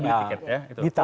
sudah beli tiket ya